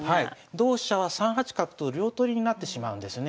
同飛車は３八角と両取りになってしまうんですね。